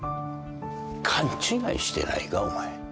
勘違いしてないかお前。